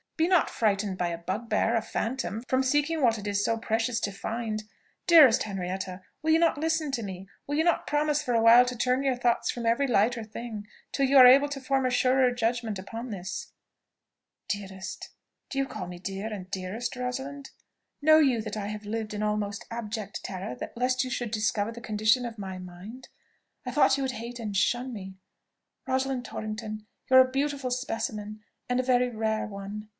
Be not frightened by a bugbear, a phantom, from seeking what it is so precious to find! Dearest Henrietta! will you not listen to me? will you not promise for a while to turn your thoughts from every lighter thing, till you are able to form a surer judgment upon this?" "Dearest? Do you call me dear, and dearest, Rosalind? Know you that I have lived in almost abject terror lest you should discover the condition of my mind? I thought you would hate and shun me. Rosalind Torrington! you are a beautiful specimen, and a very rare one.